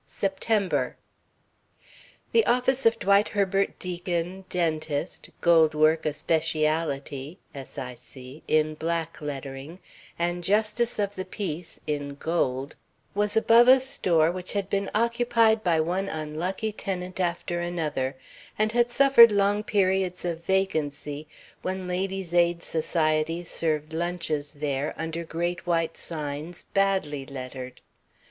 VI SEPTEMBER The office of Dwight Herbert Deacon, Dentist, Gold Work a Speciality in black lettering, and Justice of the Peace in gold, was above a store which had been occupied by one unlucky tenant after another, and had suffered long periods of vacancy when ladies' aid societies served lunches there, under great white signs, badly lettered.